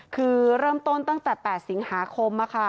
คือเริ่มต้นตั้งแต่๘สิงหาคม